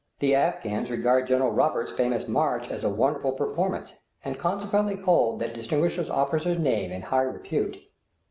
The Afghans regard General Roberts' famous march as a wonderful performance, and consequently hold that distinguished officer's name in high repute.